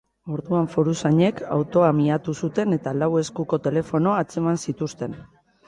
Orduan, foruzainek autoa miatu zuten eta lau eskuko telefono atzeman zituzten.